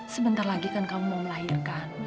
sebentar lagi kan kamu mau melahirkan